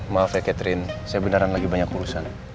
maaf ya catherine sebenernya lagi banyak urusan